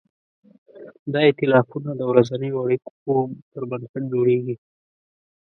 دا ایتلافونه د ورځنیو اړیکو پر بنسټ جوړېږي.